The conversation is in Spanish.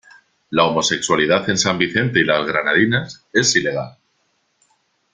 La homosexualidad en San Vicente y las Granadinas es ilegal.